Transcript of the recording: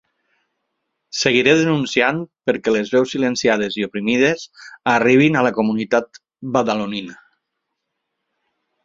Seguiré denunciant perquè les veus silenciades i oprimides arribin a la comunitat badalonina!